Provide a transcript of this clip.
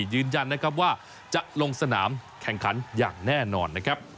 ยืนยันว่าจะลงสนามแข่งขันอย่างแน่นอน